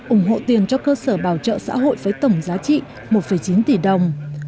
ủng hộ tiền cho cơ sở bảo trợ xã hội với tổng giá trị một chín tỷ đồng